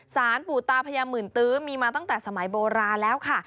สารปู่ตาพญาหมื่นตื้อมีมาตั้งแต่สมัยโบราณแล้วค่ะ